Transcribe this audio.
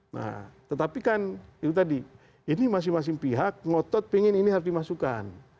nah tetapi kan itu tadi ini masing masing pihak ngotot pengen ini harus dimasukkan